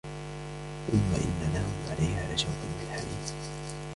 ثم إن لهم عليها لشوبا من حميم